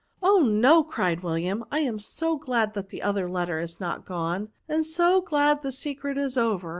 " Oh ! no," cried William ;" I am so glad the other letter is not gone ; and so glad the secret is over.